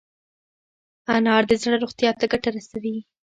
انار د زړه روغتیا ته ګټه رسوي.